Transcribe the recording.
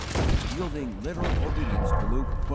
_ Yielding literal obedience to Luke xii.